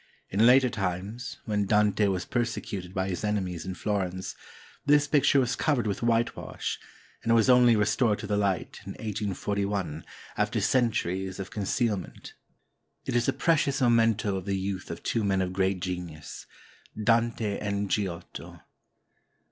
In later times, when Dante was persecuted by his enemies in Florence, this picture was covered with whitewash, and it was only restored to the light in 1841, after centuries of conceal 79 ITALY ment. It is a precious memento of the youth of two men of great genius, — Dante and Giotto.